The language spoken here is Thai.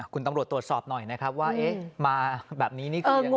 คุณตำรวจตรวจสอบหน่อยนะครับว่ามาแบบนี้นี่คือยังไง